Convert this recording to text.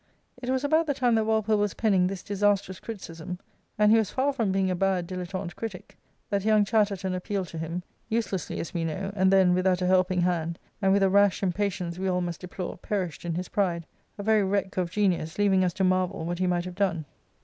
It was about the time that Walpole was penning this disastrous criticism — and he was far from being a bad dilettante critic — that young Chatterton appealed to him — uselessly, as we know — and then, without a helping hand, and with a rash impatience we all must deplore, " perished in his pride," a very wreck of genius, leaving us to marvel what he might have done.